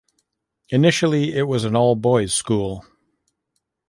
Initially, it was an all-boys school.